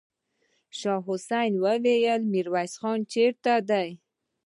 شاه حسين وويل: ميرويس خان چېرته دی؟